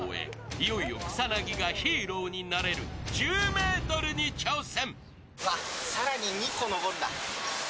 いよいよ草薙がヒーローになれる１０ｍに挑戦。